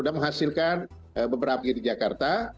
dan beberapa lagi di jakarta